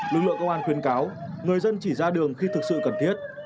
lực lượng công an khuyên cáo người dân chỉ ra đường khi thực sự cần thiết